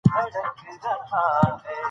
د پښتو ژبې راتلونکی زموږ په لاس کې دی.